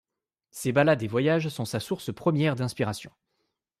Ses balades et voyages sont sa source première d’inspiration.